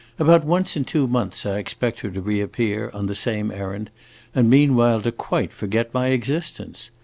About once in two months I expect her to reappear, on the same errand, and meanwhile to quite forget my existence.